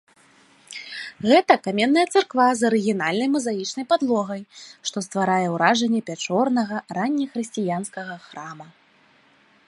Гэта каменная царква з арыгінальнай мазаічнай падлогай, што стварае ўражанне пячорнага раннехрысціянскага храма.